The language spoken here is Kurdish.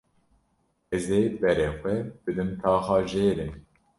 Ez ê berê xwe bidim taxa jêrê.